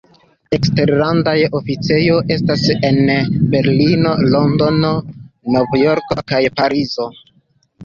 Eksterlandaj oficejoj estas en Berlino, Londono, Novjorko kaj Parizo.